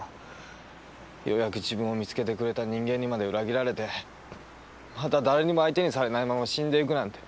ようやく自分を見つけてくれた人間にまで裏切られてまた誰にも相手にされないまま死んでいくなんて。